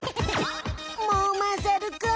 もうまさるくん。